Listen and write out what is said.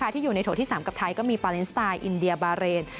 ที่อยู่ในโถที่๓กับไทยก็มีปาเลนสไตล์อินเดียบาเรน